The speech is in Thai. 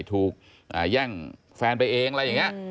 ถูกแย่งแฟนไปเองอะไรอย่างนี้